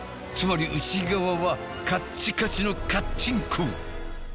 つまり内側はカッチカチのカッチンコ。